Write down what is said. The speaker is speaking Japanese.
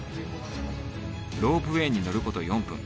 ロープウエーに乗ること４分